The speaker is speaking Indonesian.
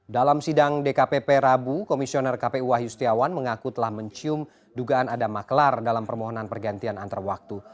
dalam sidang dkpp rabu komisioner kpu wahyu setiawan mengaku telah mencium dugaan ada maklar dalam permohonan pergantian antar waktu